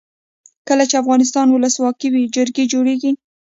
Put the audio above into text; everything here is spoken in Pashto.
کله چې افغانستان کې ولسواکي وي جرګې جوړیږي.